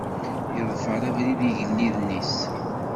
Yeḍfer abrid igelliden-is.